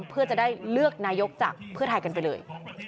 เพื่อจะได้เลือกนายกจากเพื่อไทยกันไปเลย